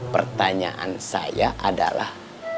pertanyaan saya adalah